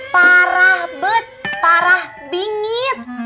parah bet parah bingit